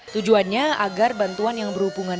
tujuannya agar bantuan yang berhubungan